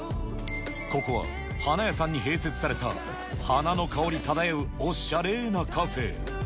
ここは花屋さんに併設された花の香り漂うおしゃれなカフェ。